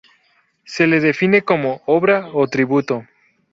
Se le define como "obra" o "tributo".